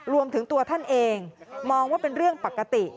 รวมถึงตัวท่านเองมองว่าเป็นเรื่องปกติ